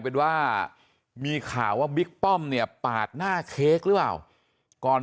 เป็นว่ามีข่าวว่าบิ๊กป้อมเนี่ยปาดหน้าเค้กหรือเปล่าก่อน